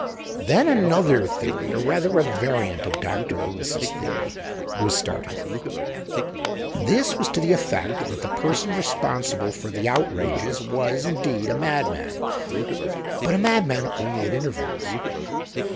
Then another theory, or rather a variant of Dr. Lewis's theory, was started. This was to the effect that the person responsible for the outrages was, indeed, a madman; but a madman only at intervals.